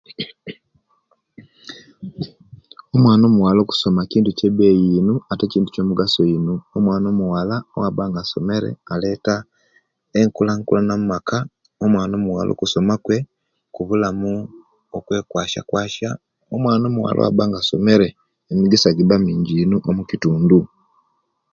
Omwaana muwala okusoma kintu kyabeyi ino ate kintu kyamugaso ino omwaana omuwala obwabanga asomere aleta enkulankulana mumaka omwaana muwala okusoma kwe kubulamu kwekwashakwasha omwaana muwala obwabanga asomere emikisa gibamingi omukitundu.